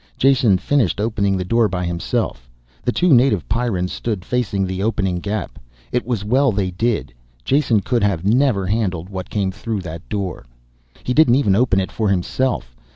Jason finished opening the door by himself. The two native Pyrrans stood facing the opening gap. It was well they did. Jason could never have handled what came through that door. He didn't even open it for himself.